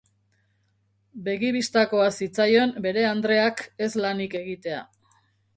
Begi bistakoa zitzaion bere andreak ez lanik egitea.